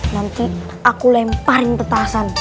nanti aku lemparin petasan